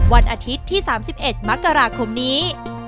วันอาทิตย์ที่๓๑มกราคมนี้